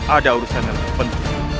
ada urusan yang penting